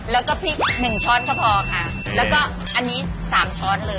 แล้วก็พริกหนึ่งช้อนก็พอค่ะแล้วก็อันนี้สามช้อนเลย